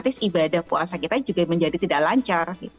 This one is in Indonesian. terus ibadah puasa kita juga menjadi tidak lancar